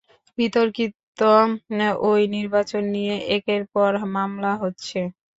বিতর্কিত ওই নির্বাচন নিয়ে একের পর মামলা হচ্ছে।